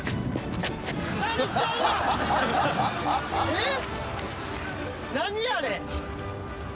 えっ？